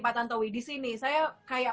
pak tantowi disini saya kayak